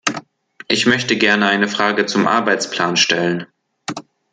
Ich möchte gerne eine Frage zum Arbeitsplan stellen.